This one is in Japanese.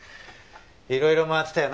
いろいろ回ってたよ